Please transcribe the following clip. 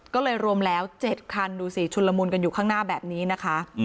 ก็เลยรวมแล้ว๗คันดูสิชุนละมุนกันอยู่ข้างหน้าแบบนี้นะคะ